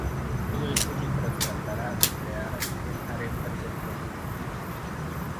Todo esto mientras tratará de crear el harem perfecto.